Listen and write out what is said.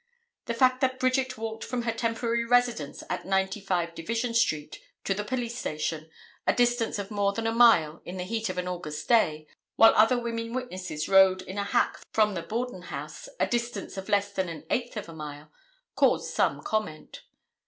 The fact that Bridget walked from her temporary residence at 95 Division street to the police station, a distance of more than a mile in the heat of an August day, while other women witnesses rode in a hack from the Borden house, a distance of less than an eighth of a mile, caused some comment.